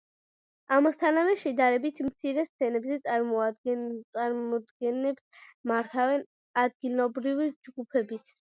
ამასთანავე, შედარებით მცირე სცენებზე წარმოდგენებს მართავენ ადგილობრივი ჯგუფებიც.